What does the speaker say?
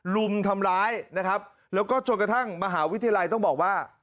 รุมทำร้ายนะครับแล้วก็จนกระทั่งมหาวิทยาลัยต้องบอกว่า